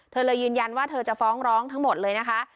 เธอเลยยืนยันว่าเธอจะฟ้องร้องทั้งหมดเลยนะคะ